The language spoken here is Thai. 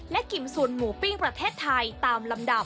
กิ่มซูนหมูปิ้งประเทศไทยตามลำดับ